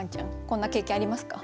こんな経験ありますか？